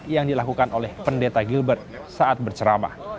yang dilakukan oleh pendeta gilbert saat berceramah